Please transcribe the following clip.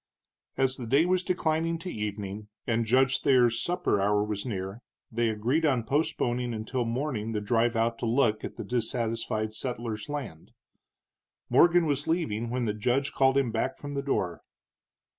As the day was declining to evening, and Judge Thayer's supper hour was near, they agreed on postponing until morning the drive out to look at the dissatisfied settler's land. Morgan was leaving when the judge called him back from the door.